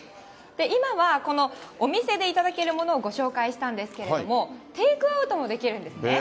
今はお店で頂けるものをご紹介したんですけれども、テイクアウトもできるんですね。